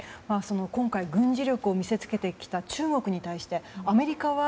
今回軍事力を見せつけてきた中国に対して、アメリカは